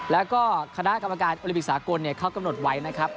แล้วก็คณะกรรมการโอลิมปิกสากลเขากำหนดไว้นะครับ